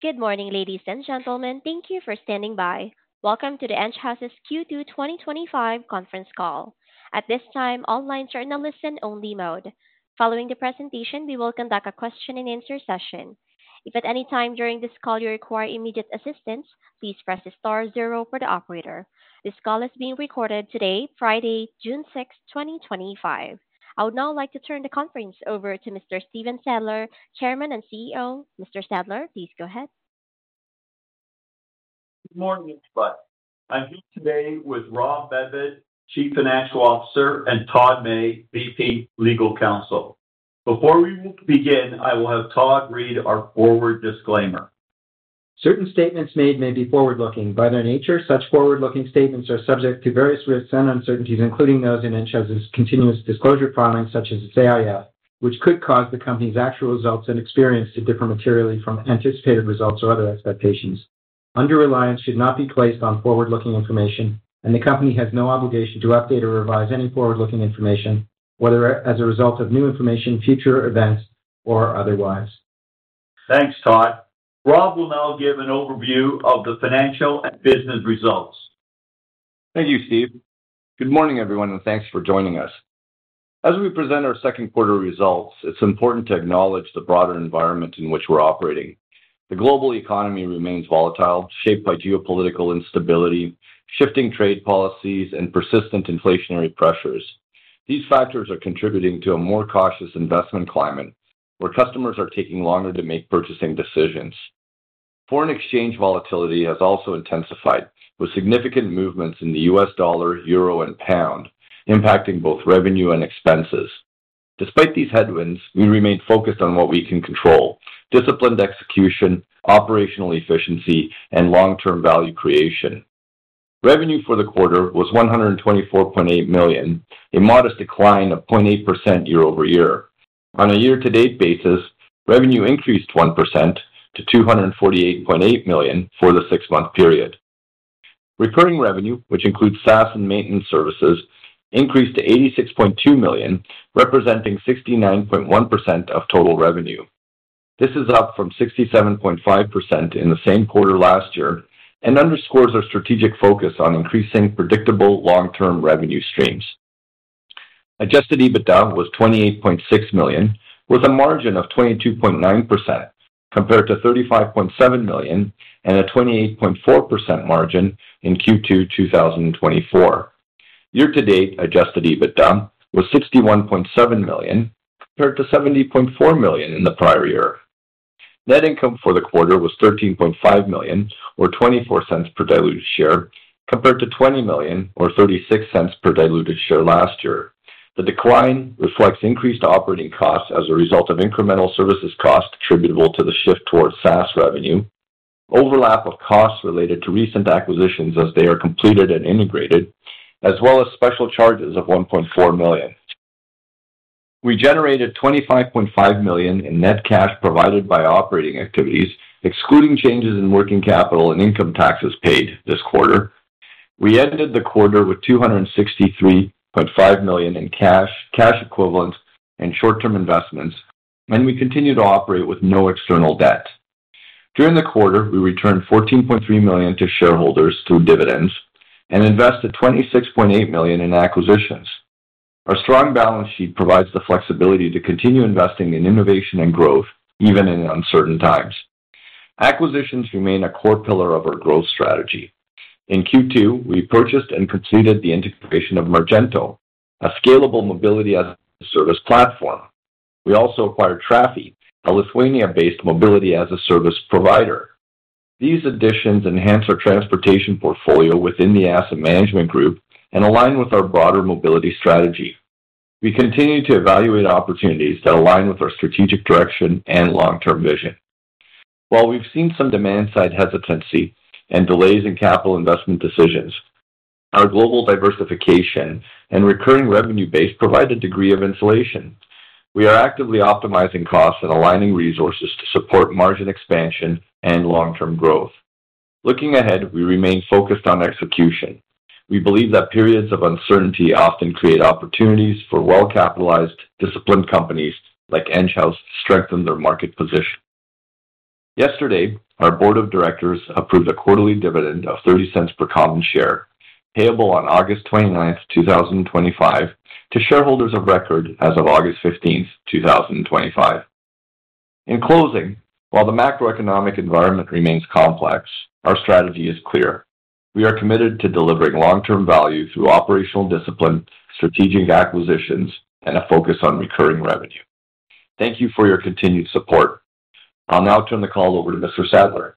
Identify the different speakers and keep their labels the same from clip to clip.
Speaker 1: Good morning, ladies and gentlemen. Thank you for standing by. Welcome to Enghouse's Q2 2025 conference call. At this time, online journalists in only mode. Following the presentation, we will conduct a question-and-answer session. If at any time during this call you require immediate assistance, please press star zero for the operator. This call is being recorded today, Friday, June 6, 2025. I would now like to turn the conference over to Mr. Stephen Sadler, Chairman and CEO. Mr. Sadler, please go ahead.
Speaker 2: Good morning, everybody. I'm here today with Rob Medved, Chief Financial Officer, and Todd May, VP Legal Counsel. Before we begin, I will have Todd read our forward disclaimer.
Speaker 3: Certain statements made may be forward-looking. By their nature, such forward-looking statements are subject to various risks and uncertainties, including those in Enghouse's continuous disclosure filings, such as its AIF, which could cause the company's actual results and experience to differ materially from anticipated results or other expectations. Undue reliance should not be placed on forward-looking information, and the company has no obligation to update or revise any forward-looking information, whether as a result of new information, future events, or otherwise.
Speaker 2: Thanks, Todd. Rob will now give an overview of the financial and business results.
Speaker 4: Thank you, Steve. Good morning, everyone, and thanks for joining us. As we present our second quarter results, it's important to acknowledge the broader environment in which we're operating. The global economy remains volatile, shaped by geopolitical instability, shifting trade policies, and persistent inflationary pressures. These factors are contributing to a more cautious investment climate, where customers are taking longer to make purchasing decisions. Foreign exchange volatility has also intensified, with significant movements in the US dollar, EUR, and GBP, impacting both revenue and expenses. Despite these headwinds, we remain focused on what we can control: disciplined execution, operational efficiency, and long-term value creation. Revenue for the quarter was $124.8 million, a modest decline of 0.8% year-over-year. On a year-to-date basis, revenue increased 1% to $248.8 million for the six-month period. Recurring revenue, which includes SaaS and maintenance services, increased to $86.2 million, representing 69.1% of total revenue. This is up from 67.5% in the same quarter last year and underscores our strategic focus on increasing predictable long-term revenue streams. Adjusted EBITDA was $28.6 million, with a margin of 22.9% compared to $35.7 million and a 28.4% margin in Q2 2024. Year-to-date adjusted EBITDA was $61.7 million, compared to $70.4 million in the prior year. Net income for the quarter was $13.5 million, or $0.24 per diluted share, compared to $20 million, or $0.36 per diluted share last year. The decline reflects increased operating costs as a result of incremental services costs attributable to the shift towards SaaS revenue, overlap of costs related to recent acquisitions as they are completed and integrated, as well as special charges of $1.4 million. We generated $25.5 million in net cash provided by operating activities, excluding changes in working capital and income taxes paid this quarter. We ended the quarter with $263.5 million in cash, cash equivalents, and short-term investments, and we continue to operate with no external debt. During the quarter, we returned $14.3 million to shareholders through dividends and invested $26.8 million in acquisitions. Our strong balance sheet provides the flexibility to continue investing in innovation and growth, even in uncertain times. Acquisitions remain a core pillar of our growth strategy. In Q2, we purchased and completed the integration of Mergento, a scalable mobility-as-a-service platform. We also acquired Traffy, a Lithuania-based mobility-as-a-service provider. These additions enhance our transportation portfolio within the Asset Management Group and align with our broader mobility strategy. We continue to evaluate opportunities that align with our strategic direction and long-term vision. While we've seen some demand-side hesitancy and delays in capital investment decisions, our global diversification and recurring revenue base provide a degree of insulation. We are actively optimizing costs and aligning resources to support margin expansion and long-term growth. Looking ahead, we remain focused on execution. We believe that periods of uncertainty often create opportunities for well-capitalized, disciplined companies like Enghouse to strengthen their market position. Yesterday, our Board of Directors approved a quarterly dividend of $0.30 per common share, payable on August 29, 2025, to shareholders of record as of August 15, 2025. In closing, while the macroeconomic environment remains complex, our strategy is clear. We are committed to delivering long-term value through operational discipline, strategic acquisitions, and a focus on recurring revenue. Thank you for your continued support. I'll now turn the call over to Mr. Sadler.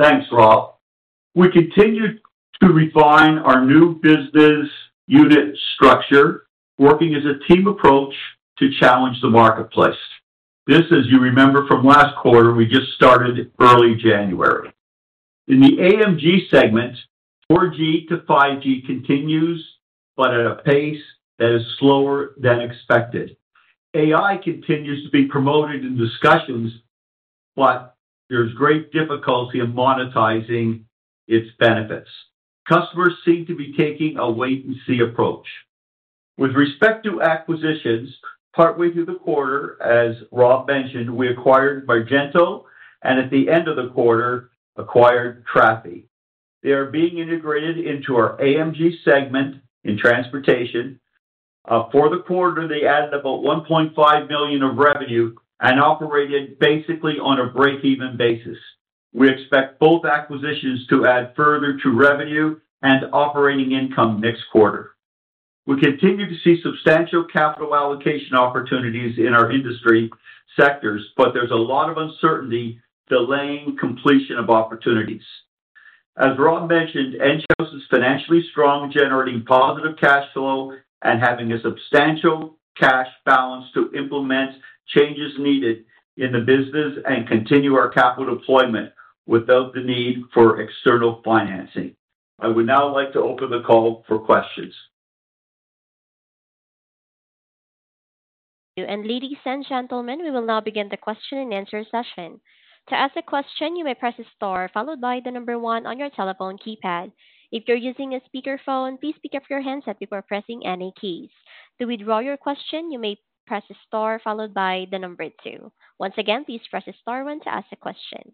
Speaker 2: Thanks, Rob. We continue to refine our new business unit structure, working as a team approach to challenge the marketplace. This, as you remember from last quarter, we just started early January. In the AMG segment, 4G-5G continues, but at a pace that is slower than expected. AI continues to be promoted in discussions, but there's great difficulty in monetizing its benefits. Customers seem to be taking a wait-and-see approach. With respect to acquisitions, partway through the quarter, as Rob mentioned, we acquired Mergento and, at the end of the quarter, acquired Traffy. They are being integrated into our AMG segment in transportation. For the quarter, they added about 1.5 million of revenue and operated basically on a break-even basis. We expect both acquisitions to add further to revenue and operating income next quarter. We continue to see substantial capital allocation opportunities in our industry sectors, but there's a lot of uncertainty delaying completion of opportunities. As Rob mentioned, Enghouse is financially strong, generating positive cash flow and having a substantial cash balance to implement changes needed in the business and continue our capital deployment without the need for external financing. I would now like to open the call for questions.
Speaker 1: Ladies and gentlemen, we will now begin the question-and-answer session. To ask a question, you may press star followed by the number one on your telephone keypad. If you're using a speakerphone, please pick up your handset before pressing any keys. To withdraw your question, you may press star followed by the number two. Once again, please press star one to ask a question.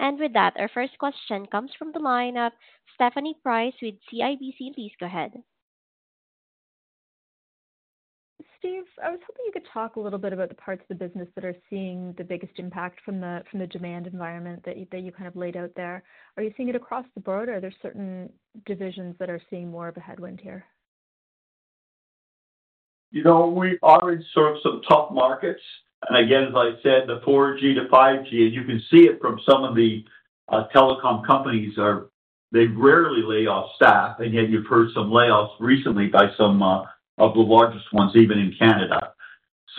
Speaker 1: With that, our first question comes from the line of Stephanie Price with CIBC. Please go ahead.
Speaker 5: Stephen, I was hoping you could talk a little bit about the parts of the business that are seeing the biggest impact from the demand environment that you kind of laid out there. Are you seeing it across the board, or are there certain divisions that are seeing more of a headwind here?
Speaker 2: You know, we are in sort of some tough markets. Again, as I said, the 4G-5G, as you can see it from some of the telecom companies, they rarely lay off staff. Yet you've heard some layoffs recently by some of the largest ones, even in Canada.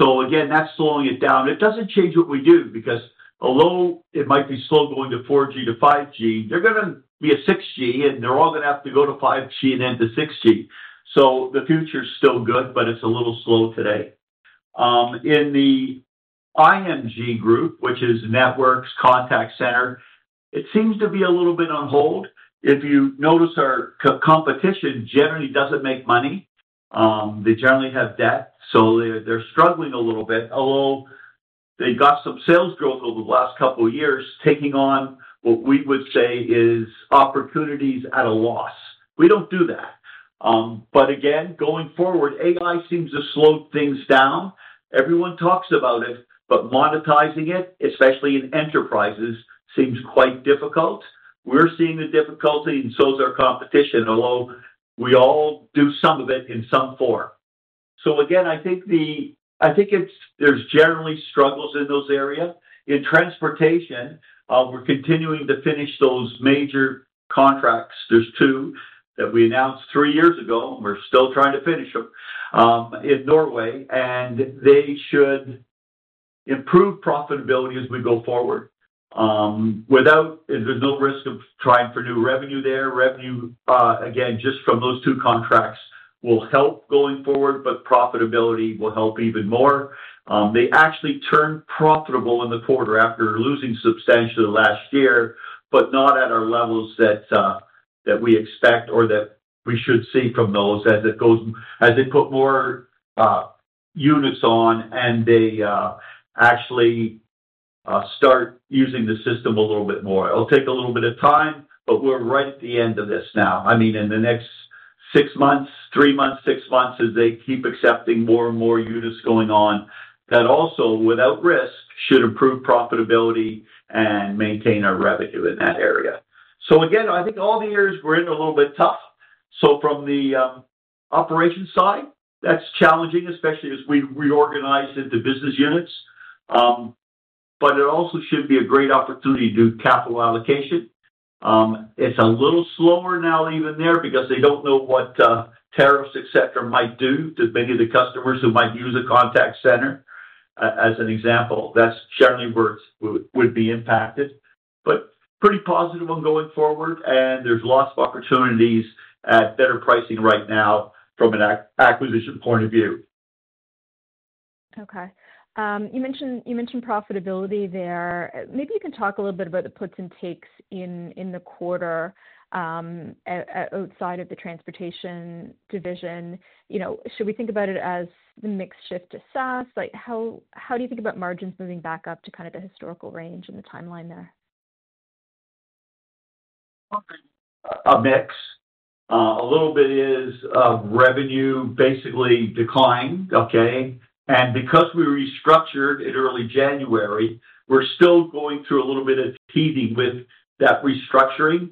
Speaker 2: Again, that's slowing it down. It doesn't change what we do because although it might be slow going to 4G-5G, they're going to be a 6G, and they're all going to have to go to 5G and then to 6G. The future is still good, but it's a little slow today. In the IMG Group, which is Networks Contact Center, it seems to be a little bit on hold. If you notice, our competition generally doesn't make money. They generally have debt, so they're struggling a little bit, although they got some sales growth over the last couple of years taking on what we would say is opportunities at a loss. We don't do that. Again, going forward, AI seems to slow things down. Everyone talks about it, but monetizing it, especially in enterprises, seems quite difficult. We're seeing the difficulty and so is our competition, although we all do some of it in some form. I think there's generally struggles in those areas. In transportation, we're continuing to finish those major contracts. There are two that we announced three years ago, and we're still trying to finish them in Norway, and they should improve profitability as we go forward without there's no risk of trying for new revenue there. Revenue, again, just from those two contracts will help going forward, but profitability will help even more. They actually turned profitable in the quarter after losing substantially last year, but not at our levels that we expect or that we should see from those as they put more units on and they actually start using the system a little bit more. It'll take a little bit of time, but we're right at the end of this now. I mean, in the next six months, three months, six months, as they keep accepting more and more units going on, that also, without risk, should improve profitability and maintain our revenue in that area. Again, I think all the years we're in a little bit tough. From the operations side, that's challenging, especially as we reorganize into business units. It also should be a great opportunity to do capital allocation. It's a little slower now even there because they don't know what tariffs, etc., might do to many of the customers who might use a contact center. As an example, that's generally where it would be impacted. Pretty positive on going forward, and there's lots of opportunities at better pricing right now from an acquisition point of view.
Speaker 5: Okay. You mentioned profitability there. Maybe you can talk a little bit about the puts and takes in the quarter outside of the transportation division. Should we think about it as the mix shift to SaaS? How do you think about margins moving back up to kind of the historical range and the timeline there?
Speaker 2: A mix. A little bit is revenue basically declined, okay? Because we restructured in early January, we're still going through a little bit of teething with that restructuring.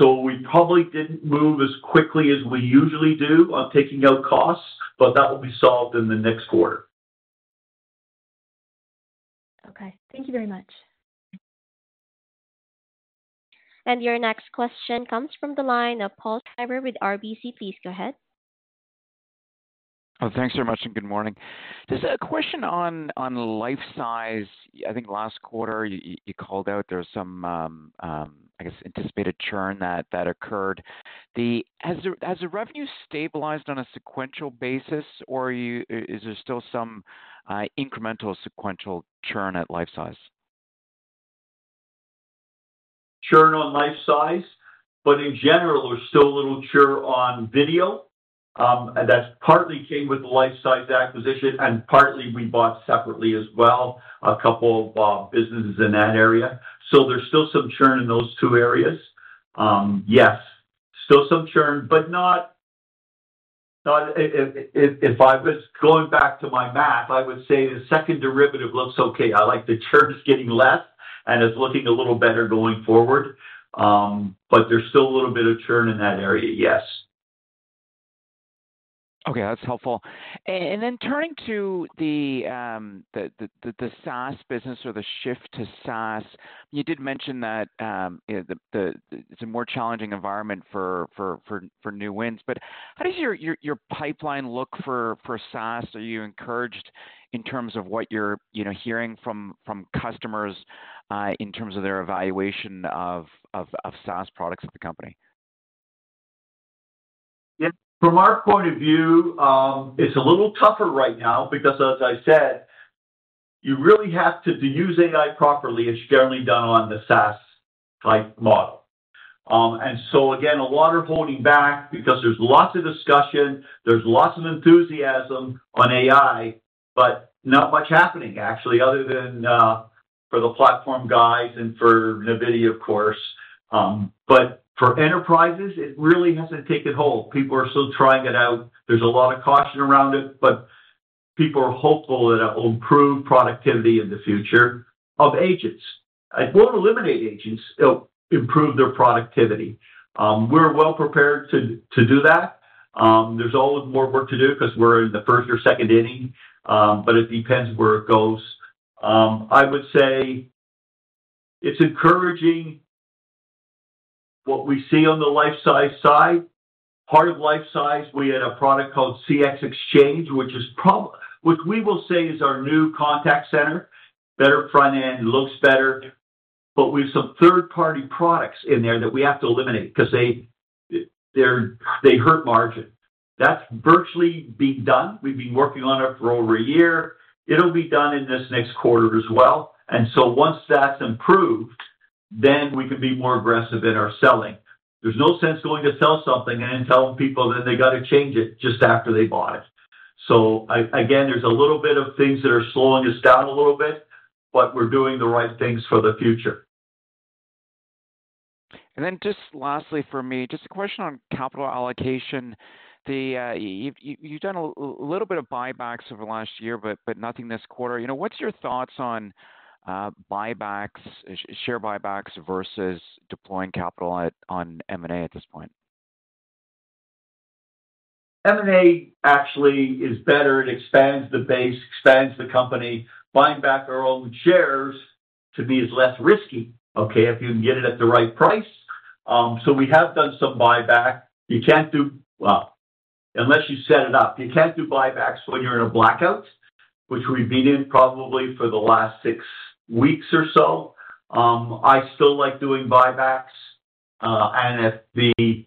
Speaker 2: We probably didn't move as quickly as we usually do on taking out costs, but that will be solved in the next quarter.
Speaker 5: Okay. Thank you very much.
Speaker 1: Your next question comes from the line of Paul Treiber with RBC. Please go ahead.
Speaker 6: Thanks very much and good morning. Just a question on LifeSize. I think last quarter you called out there's some, I guess, anticipated churn that occurred. Has the revenue stabilized on a sequential basis, or is there still some incremental sequential churn at LifeSize?
Speaker 2: Churn on LifeSize, but in general, there's still a little churn on video. That partly came with the LifeSize acquisition, and partly we bought separately as well, a couple of businesses in that area. So there's still some churn in those two areas. Yes, still some churn, but not if I was going back to my math, I would say the second derivative looks okay. I like the churn's getting less, and it's looking a little better going forward. But there's still a little bit of churn in that area, yes.
Speaker 6: Okay. That's helpful. Turning to the SaaS business or the shift to SaaS, you did mention that it's a more challenging environment for new wins. How does your pipeline look for SaaS? Are you encouraged in terms of what you're hearing from customers in terms of their evaluation of SaaS products at the company?
Speaker 2: Yeah. From our point of view, it's a little tougher right now because, as I said, you really have to use AI properly, as generally done on the SaaS-type model. Again, a lot are holding back because there's lots of discussion, there's lots of enthusiasm on AI, but not much happening, actually, other than for the platform guys and for NVIDIA, of course. For enterprises, it really hasn't taken hold. People are still trying it out. There's a lot of caution around it, but people are hopeful that it will improve productivity in the future of agents. It won't eliminate agents. It'll improve their productivity. We're well prepared to do that. There's always more work to do because we're in the first or second inning, but it depends where it goes. I would say it's encouraging what we see on the LifeSize side. Part of LifeSize, we had a product called CX Exchange, which we will say is our new contact center. Better front end, looks better. We have some third-party products in there that we have to eliminate because they hurt margin. That is virtually being done. We have been working on it for over a year. It will be done in this next quarter as well. Once that is improved, then we can be more aggressive in our selling. There is no sense going to sell something and then telling people that they have to change it just after they bought it. Again, there are a little bit of things that are slowing us down a little bit, but we are doing the right things for the future.
Speaker 6: Lastly for me, just a question on capital allocation. You've done a little bit of buybacks over the last year, but nothing this quarter. What's your thoughts on buybacks, share buybacks versus deploying capital on M&A at this point?
Speaker 2: M&A actually is better. It expands the base, expands the company. Buying back our own shares to me is less risky, okay, if you can get it at the right price. We have done some buyback. You cannot do well, unless you set it up. You cannot do buybacks when you are in a blackout, which we have been in probably for the last six weeks or so. I still like doing buybacks. If the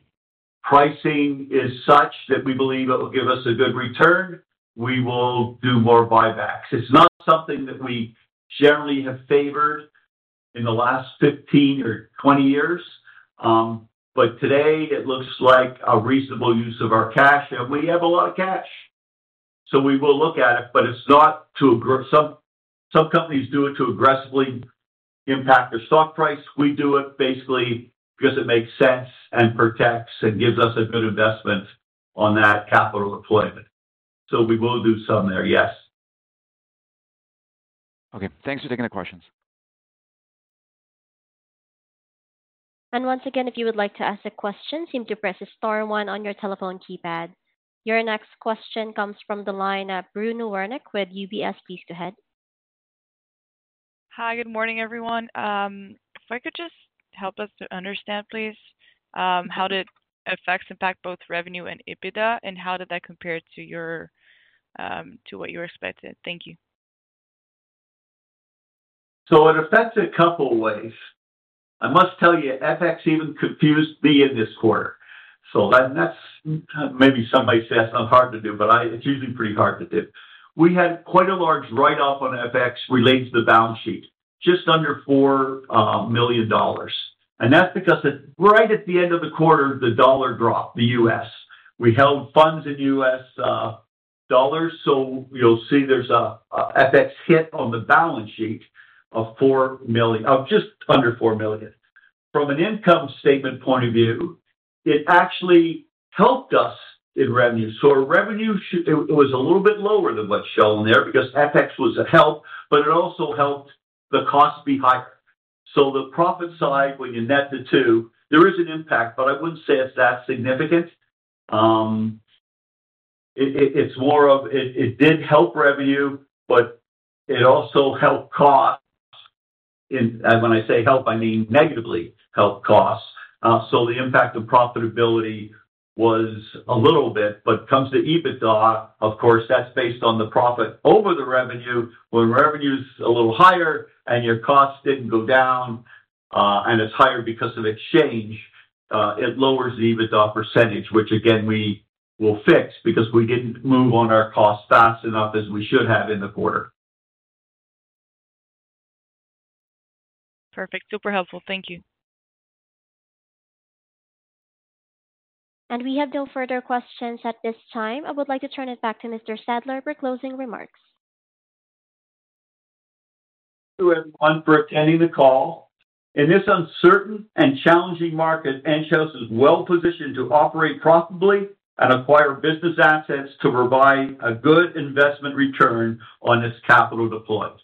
Speaker 2: pricing is such that we believe it will give us a good return, we will do more buybacks. It is not something that we generally have favored in the last 15 or 20 years. Today, it looks like a reasonable use of our cash. We have a lot of cash. We will look at it, but it is not to some companies do it to aggressively impact their stock price. We do it basically because it makes sense and protects and gives us a good investment on that capital deployment. We will do some there, yes.
Speaker 6: Okay. Thanks for taking the questions.
Speaker 1: If you would like to ask a question, please press star one on your telephone keypad. Your next question comes from the line of Bruno Wernick with UBS. Please go ahead.
Speaker 7: Hi, good morning, everyone. If I could just help us to understand, please, how did FX impact both revenue and EBITDA, and how did that compare to what you expected? Thank you.
Speaker 2: It affects a couple of ways. I must tell you, FX even confused me in this quarter. That is maybe somebody says, "It's not hard to do," but it's usually pretty hard to do. We had quite a large write-off on FX related to the balance sheet, just under $4 million. That is because right at the end of the quarter, the dollar dropped, the U.S. We held funds in US dollars. You will see there is an FX hit on the balance sheet of just under $4 million. From an income statement point of view, it actually helped us in revenue. Our revenue was a little bit lower than what is shown there because FX was a help, but it also helped the cost be higher. The profit side, when you net the two, there is an impact, but I would not say it is that significant. It did help revenue, but it also helped costs. When I say help, I mean negatively helped costs. The impact of profitability was a little bit. When it comes to EBITDA, of course, that's based on the profit over the revenue. When revenue is a little higher and your costs did not go down and it is higher because of exchange, it lowers the EBITDA percentage, which again, we will fix because we did not move on our costs fast enough as we should have in the quarter.
Speaker 7: Perfect. Super helpful. Thank you.
Speaker 1: We have no further questions at this time. I would like to turn it back to Mr. Sadler for closing remarks.
Speaker 2: Thank you everyone for attending the call. In this uncertain and challenging market, Enghouse is well-positioned to operate profitably and acquire business assets to provide a good investment return on its capital deployed.
Speaker 1: All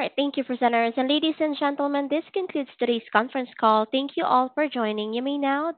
Speaker 1: right. Thank you, presenters. Ladies and gentlemen, this concludes today's conference call. Thank you all for joining. You may now.